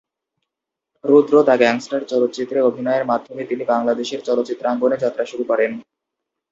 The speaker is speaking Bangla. রুদ্র দ্য গ্যাংস্টার চলচ্চিত্রে অভিনয়ের মাধ্যমে তিনি বাংলাদেশের চলচ্চিত্রাঙ্গনে যাত্রা শুরু করেন।